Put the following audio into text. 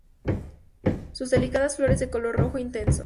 Sus delicadas flores de color rojo intenso.